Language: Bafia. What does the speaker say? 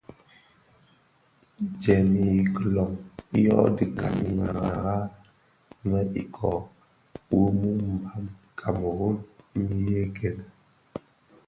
Djèm i kilōň yodhi gaň i merad më ikō wu muu mbam kameru nyi yëkèn.